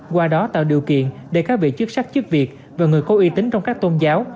qua đó tạo điều kiện để các vị chức sắc chức việc và người có uy tín trong các tôn giáo